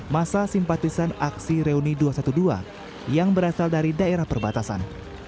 masa simpatisan aksi reuni dua ratus dua belas yang berasal dari daerah perbatasan